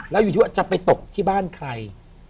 แล้วอยู่ที่ว่าจะไปตกที่บ้านใคร